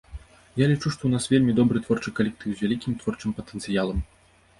Я лічу, што ў нас вельмі добры творчы калектыў, з вялікім творчым патэнцыялам.